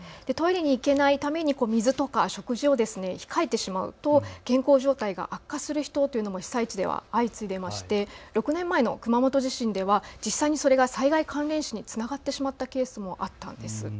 トイレに行けないために水とか食料を、控えてしまうと健康状態が悪化する人というのも被災地では相次いでいて６年前の熊本地震では実際にそれが災害関連死につながってしまったケースもあったんです。